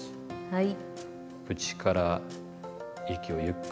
はい。